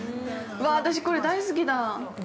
うわ、私これ大好きだ。